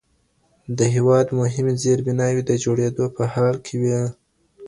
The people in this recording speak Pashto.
د هيواد مهمې زېربناوې د جوړېدو په حال کي وې.